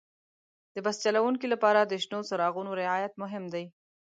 د بس چلوونکي لپاره د شنو څراغونو رعایت مهم دی.